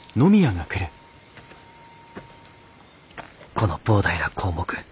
「この膨大な項目